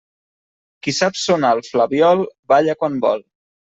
Qui sap sonar el flabiol, balla quan vol.